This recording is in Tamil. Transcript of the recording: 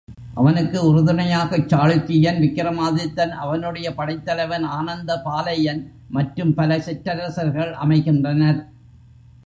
அவனுக்கு உறுதுணையாகச் சாளுக்கியன் விக்கிரமாதித்தன் அவனுடைய படைத்தலைவன் ஆனந்த பாலையன், மற்றும் பல சிற்றரசர்கள் அமைகின்றனர்.